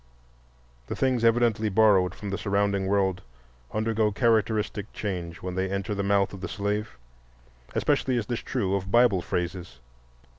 The things evidently borrowed from the surrounding world undergo characteristic change when they enter the mouth of the slave. Especially is this true of Bible phrases.